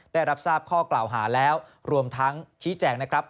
ได้รับทราบข้อกล่าวหาแล้วรวมทั้งชี้แจงนะครับ